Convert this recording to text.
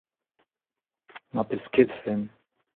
ma pesketfen.